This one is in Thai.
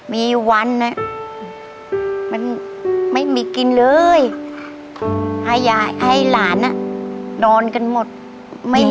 มีวันมันไม่มีกินเลยให้หลานนอนกันหมดไม่หิว